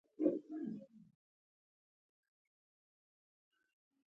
افغانستان خوندوری میوی لري